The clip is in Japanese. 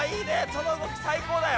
その動き最高だよ。